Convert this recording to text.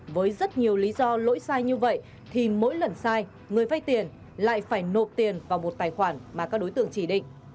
với rất nhiều lý do lỗi sai như vậy thì mỗi lần sai người vay tiền lại phải nộp tiền vào một tài khoản mà các đối tượng chỉ định